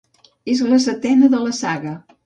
És la setena de la saga.